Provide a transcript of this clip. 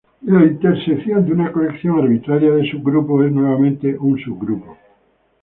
La intersección de una colección arbitraria de subgrupos es nuevamente un subgrupo.